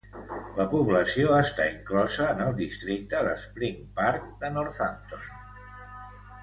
La població està inclosa en el districte de Spring Park de Northampton.